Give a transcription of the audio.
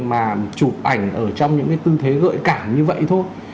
mà chụp ảnh ở trong những cái tư thế gợi cảm như vậy thôi